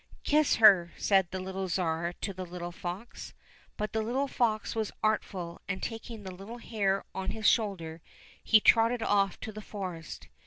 " Kiss her," said the little Tsar to the little fox. But the little fox was artful, and taking the little hare on his shoulder, he trotted off to the forest.